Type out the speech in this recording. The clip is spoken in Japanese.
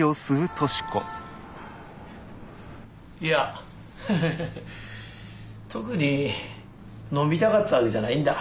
いやハハハハ特に飲みたかったわけじゃないんだ。